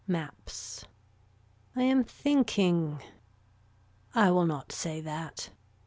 Maps. I am thinking. I will not say that.